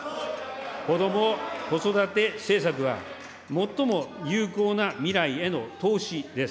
子ども・子育て政策は、最も有効な未来への投資です。